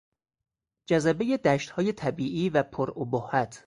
جذبهی دشتهای طبیعی و پر ابهت